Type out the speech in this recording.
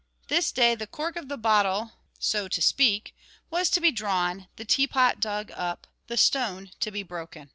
This day the cork of the bottle so to speak was to be drawn, the teapot dug up, the stone to be broken.